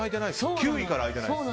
９位から開いてないです。